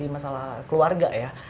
masalah keluarga ya